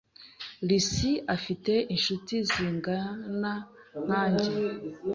Lucy afite inshuti zingana nkanjye.